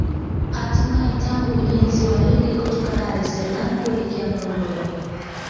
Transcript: Hatimae tangu ujenzi wa reli kutoka Dar es Salaam kuelekea Morogoro